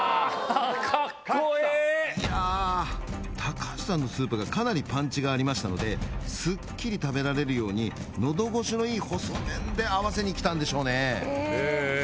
かっこええいや橋さんのスープがかなりパンチがありましたのですっきり食べられるように喉越しのいい細麺で合わせにきたんでしょうねへぇ！